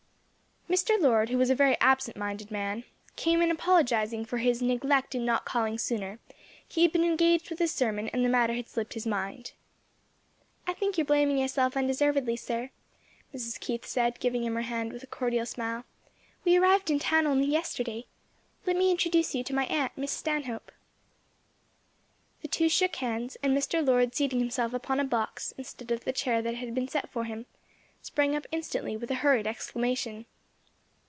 Mr. Lord, who was a very absent minded man, came in apologizing for his "neglect in not calling sooner; he had been engaged with his sermon and the matter had slipped his mind." "I think you are blaming yourself undeservedly, sir," Mrs. Keith said, giving him her hand with a cordial smile, "we arrived in town only yesterday. Let me introduce you to my aunt, Miss Stanhope." The two shook hands, and Mr. Lord seating himself upon a box, instead of the chair that had been set for him, sprang up instantly with a hurried exclamation.